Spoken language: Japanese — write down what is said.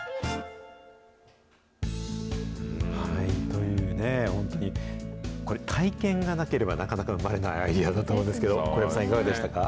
というね、本当に体験がなければなかなか生まれないアイデアだと思うんですけれども、小籔さん、いかがでしたか。